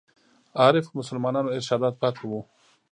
عارفو مسلمانانو ارشادات پاتې وو.